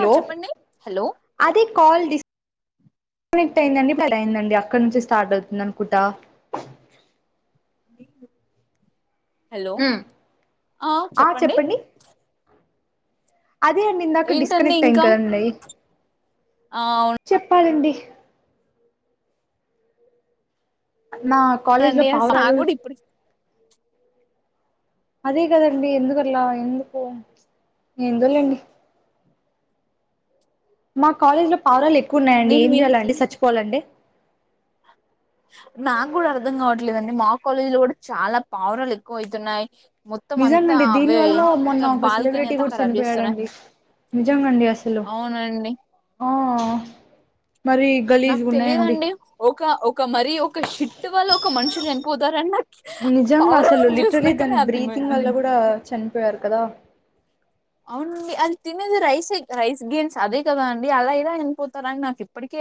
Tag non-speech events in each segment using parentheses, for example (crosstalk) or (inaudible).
ఆ చెప్పండి హలో అది కాల్ డిస్ క్ట్ అక్కడ నుంచి స్టార్ట్ అవుతుంది అనుకుంటా హలో ఆ చెప్పండి అదే అండి ఇందాక ఏంటండి డిస్కనెక్ట్ అయి్న్ ఇంకా కదండి ఆ చెప్పాలండి నా కాలేజ్ లో అవునండి నాకు పావురాలు కూడా ఇప్పుడు అదీ కదండి ఎందుకట్ల ఎందుకు ఎందోలేండి మా కాలేజీలో పావురాలు ఎక్కువ ఉన్నాయండి, నేను ఏం విన్ చేయాలండి సచ్చిపోవాలంటే నాకు కూడా అర్ధం కావట్లేదండి, మా కాలేజీ లో కూడా చాలా పావురాలు ఎక్కువ అవుతున్నాయి నిజం అండి దీనివల్ల, మొన్న ఒక బాల్కనీ సెలబ్రిటీ అంతా కూడా ఖరాబ్ చేస్తున్నాయి చనిపోయాడండి నిజంగాండి అసలు అవునండి ఆ మరీ గలీజ్ ఉన్నాయండి క ఒక మరీ ఒక షిట్టు వల్ల ఒక మనుషు చనిపోతార్ అన్ నా నిజంగా అసలు లిటరలీ దాని బ్రీతింగ్ అర్థమైందండి వల్ల కూడా చనిపోయారు కదా అవునండి, అది తినేది రైస్ రైస్ గేన్స్ అదే కదా అండి, అలా ఇలా వేనిపోతారాని నాకు ఇప్పటికీ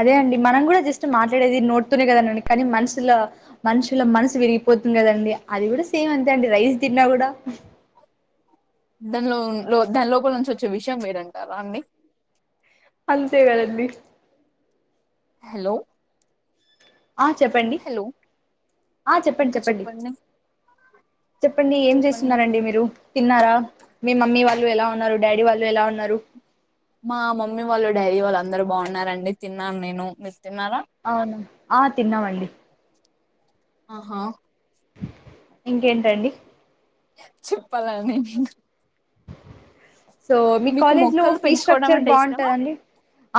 అదే అండి మనం కూడా జస్ట్ మాట్లాడేది నోడుతూనే కదానండి, కానీ మనుషుల మనుషుల మనసు విరిగిపోతుంది కదండి, అది కూడా సేమ్ అంతే అండి రైస్ తిన్నా కూడా దానిలో లో దాని లోపల నుంచి వచ్చే విషయం వేరంటారా అండి అంతే కదండీ హలో ఆ చెప్పండి హలో ఆ చెప్పండి చెప్పండి చెప్పండి ఏం చెప్పండి చేస్తున్నారండి మీరు, తిన్నారా మీ మమ్మీ వాళ్ళు ఎలా ఉన్నారు డాడీ వాళ్ళు ఎలా ఉన్నారు మా మమ్మీ వాళ్ళు డైరీ వాళ్ళు అందరుూ బాగున్నారండి తిన్నాను నేను మీర్ అవునా ఆ తిన్నామండి ఆహా ఇంకేంటండి చెప్పాలా నే న్ సో మీ కాలేజ్ లో మొక్కలు ఫీ పెంచుకోవడం స్ట్రక్చర్ అంటే ఇష్టమా బాగుంటదండి,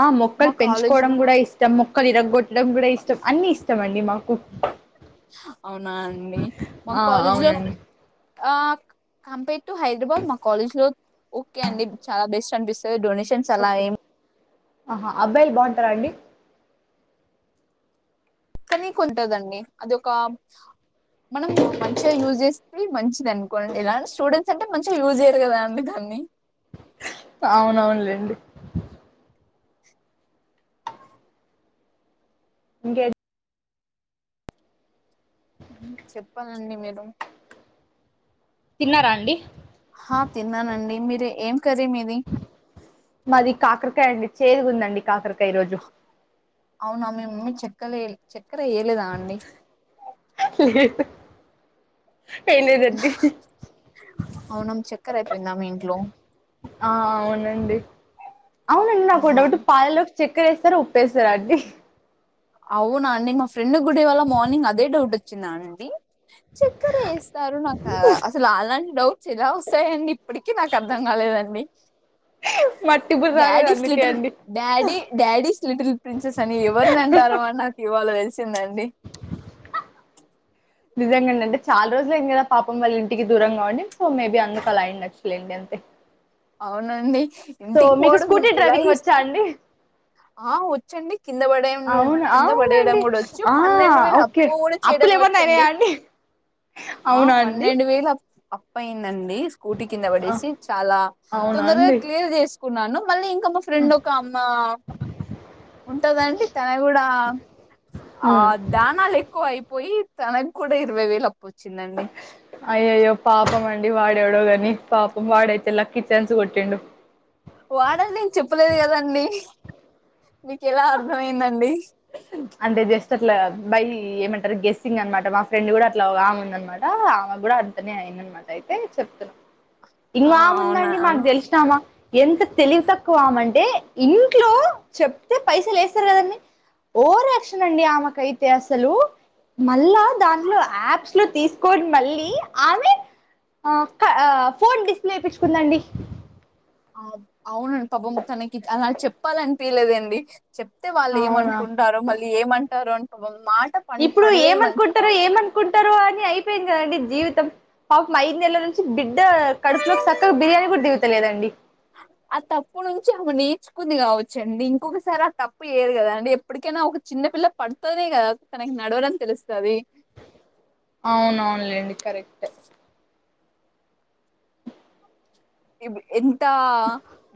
ఆ మా మొక్కలు కాలేజ్ పెంచుకోవడం లో కూడా ఇష్టం, మొక్కలు ఇరగొట్టడం కూడా ఇష్టం, అన్ని ఇష్టం అండి మాక్ కు అవునా అండి మా ఆ కాలేజీ లో అవునండి ఆ కంపేర్ టు హైదరాబాద్ మా కాలేజ్ లో ఓకే అండి చాలా బెస్ట్ అనిపిస్తది డొనే షన్స్ అలా ఓకే ఏం ఆహా అబ్బాయిలు బాగుంటారా అండి కానీ కొంటదండి, అది ఒక మనం మంచిగా యూజ్ చేస్త మంచిది అనుకోండి, ఎలాంటి స్టూడెంట్స్ అంటే మంచిగా యూజ్ చేయ్యరు కదా అండి దాన్ని అవునవునులేండి ఇంకా ఎ చెప్పాలండి మీరు తిన్నారా అండి హా తిన్నానండి మీర్ ఎం కే మీది మాది కాకరకాయ అండి చేదు ఉందండి కాకరకాయ కై ఈరోజు అవునా మీ మమ్మీ చక్కెల్ చక్కెర వేయలేదా అండి ఎం లేదడ్డి పోయిందా మి ఇంట్లో ఆ అవునండి అవునండి నాకు ఒక ఆహా డౌట్ పాలలో చక్కర వేస్తారా ఉప్పేస్తారా అండి అవునా అండి మా ఫ్రెండ్ గుడే వల్ల మార్నింగ్ అదే డౌట్ వచ్చిందా అండి చక్కర వేస్తారు నాకు అసలు అలాంటి డౌట్స్ ఎలా వస్తాయండి ఇప్పటికి నాకు అర్థం కాలేదండి మట్టి బుర్ర రాలేదు డాడీస్ అందుకే లిటిల్ అండి డాడీ డాడీస్ లిటిల్ ప్రిన్సెస్ అని ఎవరు నా దారు నాీ బంది (inaudible) అండి నిజంగా అండి అంటే చాలా రోజులు ఏం కదా పాపం వాళ్ళ ఇంటికి దూరంగుండి సో మేబీ అందుకు అలా అయిండావచులెండి అంతే అవునండి సో ఇంటికి మీకు పోవడం స్కూటీ ఇలా డ్రైవింగ్ వచ్చా ఇష్టం అండి ఆ వచ్చండి కింద పడే ఉం అవును కింద పడేయడం అవునండి కూడా వచ్చు, ఆ పన్నెండు వేల ఓకే అప్పు కూడా చేయడం అప్పులు ఏమన్నా అయినాయా వచ్చండి, అండి ఆ అవునా అండి పన్నెండు వేల పై అండి స్కూటీ కింద ఆ పడేసి చాలా అవునా తొందర అండి క్లియర్ చేస్ కున్నాను మళ్ళీ ఇంకా మా ఫ్రెండ్ ఒక అమ్మ ఉంటందండి తన కూడా ఆ ఉమ్ దానాలు ఎక్కువ అయిపోయి తనకు కూడా ఇరవై వేలు అప్పు వచ్చిందండి అయ్యో అయ్యో పాపం అండి వాడెవడో కాగాని పాపం వాడయితే లక్కిచాన్స్ కొట్టిండు వాడ నేను చెప్పలేదు కదండి నీకు ఎలా అర్థమయిందండి అంటే జస్ట్ అట్లా బై ఏమంటారు గ్ెస్సింగ్ అనమాట మా ఫ్రెండ్ కూడా అట్లా ఆమె ఉంద అనమాట ఆమె కూడా అంతనే అయింద అనమాట అయితే చెప్తున్నాం ఆ ఇంకా అవునా ఉందండి అ మాకు తెలిసినామా ఎంత తెలివి తక్కువమంటే ఇంట్లో చెప్తే పైస లేస్తారు కదండి ఓవర్ యాక్షన్ అండి ఆమెకయితే అసలు మళ్ళా దానిట్లో యాప్స్ లో తీసుకొని మళ్ళీ ఆమె ఫోన్ డిస్ప్లే చేయిించుకుందండి అవునండి పాపం తనకి అలా చెప్పాలనిపిలేదండి చెప్తే వాళ్ళు అవునా ఏమనుకుంటారో మళ్ళీ ఏమ అంటారు అంట బంద ఇప్పుడు ఏమనుకుంటారు ఏమనుకుంటారు అని అయిపో యింది కదండి జీవితం పాపం అయిదు నెలల నుంచి బిడ్ ఇద్ద కడుపులో సక్కగా బిర్యానీ కూడా ది లేదండి ఆ తప్పు నుంచి ఆమె నేర్చుకుంది కావచ్చుండి ఇంకొకసారి ఆ తప్పు ఏరు కదా అండి ఎప్పటికైనా ఒక చిన్న పిల్ల పడుతునే కదా తనకి నడవడంని తెలుస్తుంది అవునవునులేండి కరెక్ట్ ఎంత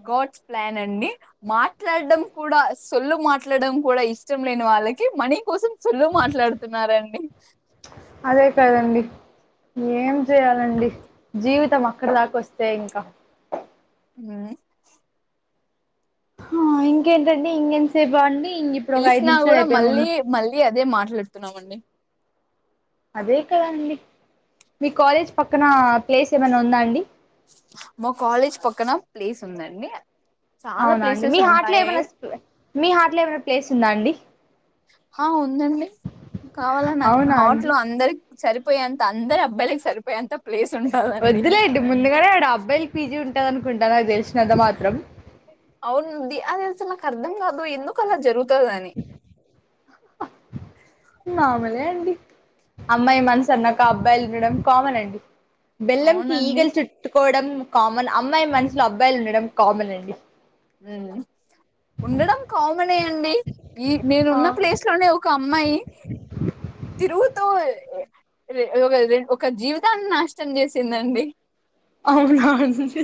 గాడ్స్ ప్లాన్ అండి మాట్లాడడం కూడా సొల్లు మాట్లాడడం కూడా ఇష్టం లేని వాళ్ళకి మనీ కోసం అసలు మాట్లాడుతున్నారండి అదే కాదండడి ఏం చేయాలండి జీవితం అక్కడి దాకా వస్తే ఇంకా అ ఆ ఇంకేంటండి ఇంకెంతసే బాగుండి తెల్సిన కూడా మళ్ళీ మళ్ళీ అదే మత పెడుతున్నామండి అదే కదండి మీ కాలేజ్ పక్కన ప్లేస్ ఏమైనా ఉందా అండి మా కాలేజ్ పక్కన ప్లేస్ ఉందండి చాలా అవునా అండి ప్లేసెస్ మీ హార్ట్లో ఉంటాయి ఏమైనా మీ హాట్లో ఏమైనా ప్లేస్ ఉందా అండి ఆ ఉందండి కావాల నాకు అవునా అండి హార్ట్ల్ అందరి సరిపోయేంత అందరి అబ్బాయిలకి సరిపోయి అంత వద్దులేండి ముందుగానేడు అబ్బాయికి పీజీ ఉంటు అనుకుంటా నాకు తెలుసు అవును ద అదిసల అర్థం కాదు ఎందుకు అలా జరుగుతు అంతదని మామూలే అండి అమ్మాయి మనసు అన్నాక అబ్బాయిలు వినడం కామన్ అండి బెల్లం కి అవునండి ఈగల్ చుట్టుకోవడం కామన్ అమ్మాయి మనసులో అబ్బాయిలు ఉండడం కామన్ అండి హ ఉండడం కామనే అండి ఈ ఆ నేనున్న ప్లేస్ లోనే ఒక అమ్మాయి తిరుగుతు ఒక జీవితాన్ని నాశనం చేసిందండి అవునాండి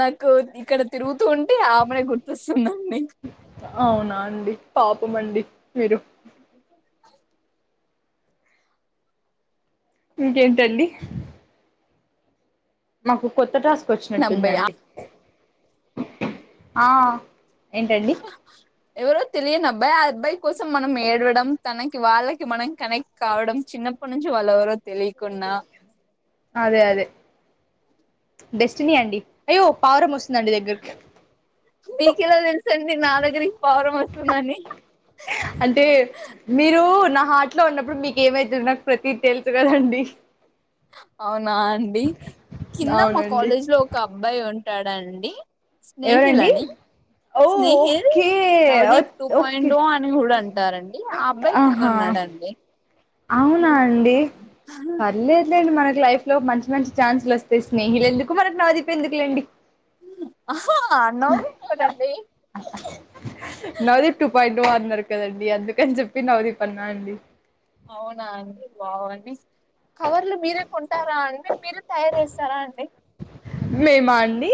నాకు ఇక్కడ తిరుగుతూ ఉంటే ఆమెనే గుర్తోస్తుందండి అవునా అండి పాపం అండి మీరు ఇంకేంటండి మాకు కొత్త టాస్ అబ్బాయి ఆ వచ్చినట్టుందండి ఆ ఏంటండి ఎవరో తెలియని అబ్బాయి ఆ అబ్బాయి కోసం మనం ఏడవడం తనకి వాళ్ళకి మనం కనెక్ట్ కావడం చిన్న కొంచి వాలెవరో తెలికున్నా అదే అదే డెస్టినీ అండి అయ్యో పావరం వస్తుందండి దగ్గరకి మీకెలా తెలుసండి నా దగ్గరికి పావరం వస్తుందని అంటే మీరు నా హార్ట్లో ఉన్నప్పుడు మీకు ఏమైతు నాకు ప్రతి తెలుసు కదండి అవును నా అండి కింద మా అవునండి కాలేజ్ లో ఒక అబ్బాయి ఉ ఉంటాడండి స్నేహిల్ ఎవరండి అని ఓ Snehil okay Navdeep two okay point ఓ అని కూడా అంటారండి ఆ అబ్బాయి కింద ఆహా ఉన్నాడండి అవునా అండి పర్ల్ లేదుండి మనకి లైఫ్ లో మంచి మంచి ఛాన్సులు వస్తాయి స్నేహిలు ఎందుకు మనకు నాజిప్ ఎందుకులేండి అన్న చూడండి నవదిప్ టూ పాయింట్ వన్ కదండి అందుకని చెప్పి నవదిప్ అన్నా అండి అవునా అండి బాగుండి కవర్లు మీరే కొంటారా అండి మీరే తయారుచేస్తారా అండి మేమా అండి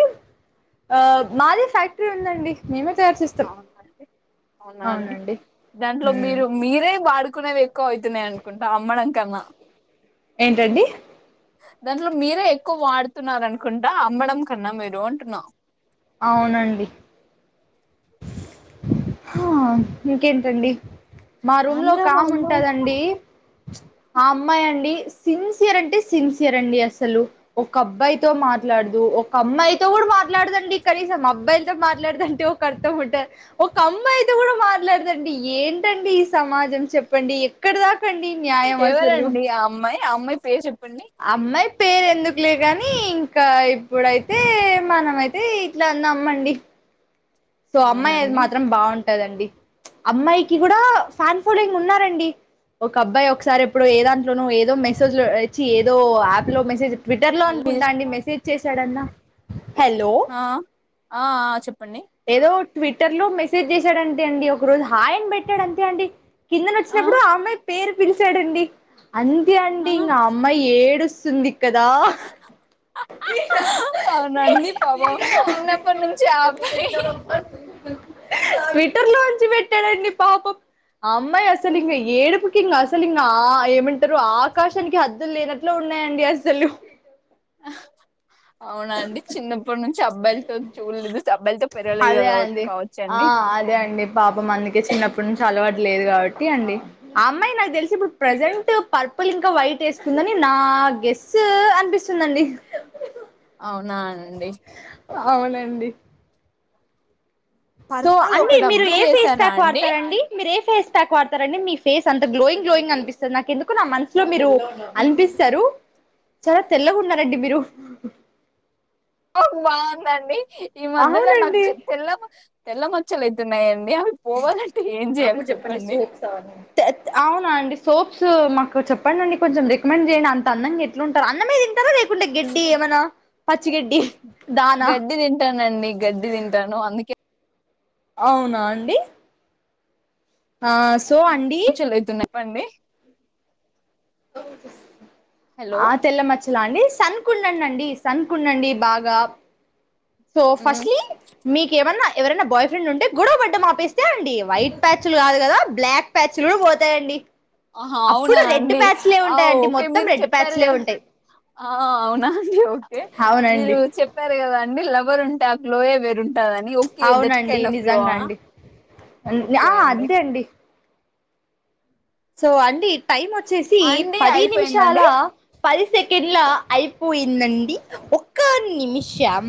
ఆ మాది ఫ్యాక్టరీ ఉందండి మేమే తయారు చేస్తాం అవునండి అవునాండి అవునండి దాంట్లో మ్మ్. మీరు మీరే బడు అనుకునేవి ఎక్కువ అవుతున్నాయి అనుకుంటా అమ్మడంకమ్మ ఏంటండి దాంట్లో మీరే ఎక్కువ వాడుతున్నార అనుకుంటా అమ్మడం కన్నా మీరు అంటున్నా అవునండి హా ఇంకేంటండి మా రూమ్ లో ఆంధ్ర ఒకామ వాళ్ళు ఉంటదండి ఆ అమ్మాయి అండి సిన్సియర్ అంటే సిన్సియర్ అండి అసలు ఒక అబ్బాయితో మాట్లాడదు ఒక అమ్మాయితో కూడా మాట్లాడదండి కనీసం అబ్బాయిలతో మాట్లాడదంటే ఒక అర్థం ఉంటాది ఒక్క అమ్మాయితో కూడా మాట్లాడదండి ఏంటండి ఈ సమాజం చెప్పండి ఎక్కడిదా ఎవరండి ఆ అమ్మాయి ఆ అమ్మయి పేరు జెప్ అమ్మయి పేరు ఎందుకులే గని ఇంకా ఇప్పుడైతే మనమైతే ఇట్లా నమ్మండి సో అమ్మాయి అది అవునండి మాత్రం బావున్ టదండి అమ్మాయికి కూడా ఫ్యాన్ ఫాలోయింగ్ ఉన్నారండి ఒక అబ్బాయి ఒకసారి ఎప్పుడో ఏ దాంట్లోనో ఏదో మెసేజ్ లు ఇచ్చి ఏదో యాప్ లో మెసేజ్ ట్విట్టర్ లో హలో అనుకుంటా అండి మెసేజ్ చేశాడన్నా ఆ ఆ చెప్పండి ఏదో ట్విట్టర్ లో మెసేజ్ చేశాడంతే అండి ఒక రోజు హాయ్ అని పెట్టాడు అంతే అండి కిందన వచ్చినప్పుడు ఆ అమ్మాయి పేరు పిలిచాడండి అంతే అండి ఇంక ఆ అమ్మాయి ఏడుస్ సుందికదా అవునండి పాపం చిన్నప్పటి నుంచి ఆ అబ్బాయి ట్విట్టర్ లోంచి పెట్టాడండి పాపం ఆ అమ్మాయి అసలు ఇంక ఏడుపుకి ఇంకా అసలు ఇంకా ఏమంటారు ఆకాశానికి హద్దులు లేనట్లు ఉన్నాయండి అసలు ఆ అవునా అండి చిన్నప్పటి నుం చబ్బయిలు తోచూడలేదు చబ్ అదే అండి ఆ అదే అండి పాపా మంది ఏ చిన్నపటినుచ్చి అల్వట్ లేదు గావట్ట ఒకేండి ఆ అమ్మాయి నాకు తెలిసి ఇప్పుడు ప్రజెంట్ పర్పుల్ ఇంకా వైట్ ఏసుకుందని నా గేసు అనిపిసుందండి నా అండి అవునండి సో పర్పుల్ అన్ని ఒకటి మీరు ఏ అబ్జర్వ్ ఫేస్ చేసారా ప్యాక్ అండి వాడతారండి మీరు ఏ ఫేస్ తక్ వాడతారండి మీ ఫేస్ అంత గ్లోయింగ్ గ్లోయింగ్ అనిపిస్తుంది, నాకు ఎందుకు నా మనసు లో మీరు అనిపిస్తారు చాలా తెల్లగాన్నారండి మీరు బాగుందండి ఈ మధ్యల నాకు అవునండి చె తెల్ల తెల్ మ చలతేన్నా తేత్ అవునండి సోప్స్ మాకు చెప్పాడండి కొంచం రికమెండ్ చేయండి. అంత అందంగా ఎట్లుంటారు. అన్నమేదిన్ తర రేకుండే గడ్డి ఏమన్నా పచ్చిగడ్డి దానా గడ్డి తింటానండి గడ్డి తింటాను అందుకే అవునాండి ఆస్ తోండి ప్పండి హోహో ఆ తెల్ల మచ్చలండిస్ సనుకూనండండి సన్నుకున్నడి బాగా సో ఉమ్, ఫస్ట్లీ మీకేమన్నాయ్ ఎవరైనా బాయ్ ఫ్రెడుంటే గొడవప్పడం ఆపేస్తాండి వైట్ ప్యాచ్చులు కాదు కదా బ్లాక్ పచ్చుయలు పోతాయండి ఆహా అప్పుడు రెడ్ అవునాండి ప్యాచ్లే ఆ ఉంటాయండి ఓకే మొత్తం మీరు రెడ్ చెప్పారు ప్యాచ్లే కదా ఉంటాయి ఆ అవునాండి ఓకే అవునండి మీరు చెప్పారు కాదండి లవర్ ఉంటా లోయే బేరున్ అవునండి నిజాగండి ఆ ఓకే అండి అంతేండి సో అండి టైం వచ్చేసి అండి పది అయిపోయిందండి నిమిషాలా పది సెకండ్ల అయిపోయిందండి ఒక నిమిషం